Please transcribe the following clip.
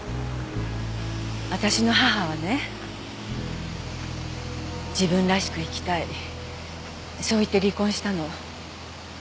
私の母はね「自分らしく生きたい」そう言って離婚したの。